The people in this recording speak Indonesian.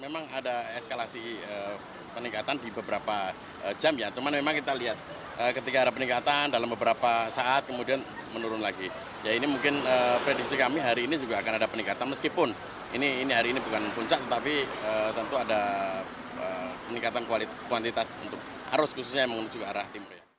meskipun hari ini bukan puncak tetapi tentu ada meningkatan kuantitas untuk arus khususnya yang menuju arah timur